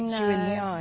はい。